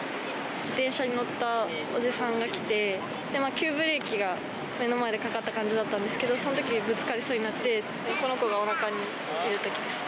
自転車に乗ったおじさんが来て、急ブレーキが目の前でかかった感じだったんですけど、そのとき、ぶつかりそうになって、この子がおなかにいるときですね。